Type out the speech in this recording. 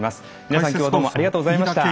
皆さんきょうはどうもありがとうございました。